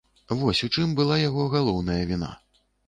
Вось у чым была яго галоўная віна.